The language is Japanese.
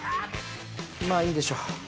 まあいいでしょう。